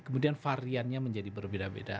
kemudian variannya menjadi berbeda beda